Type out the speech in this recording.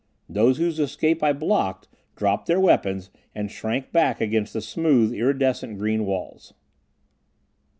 Those whose escape I blocked dropped their weapons and shrank back against the smooth, iridescent green walls.